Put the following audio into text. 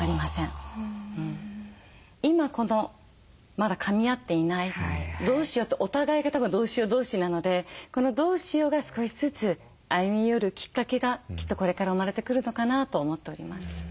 今このまだかみ合っていないどうしようとお互いがたぶん「どうしよう同士」なのでこの「どうしよう」が少しずつ歩み寄るきっかけがきっとこれから生まれてくるのかなと思っております。